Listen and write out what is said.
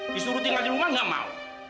disuruh tinggal di rumah nggak mau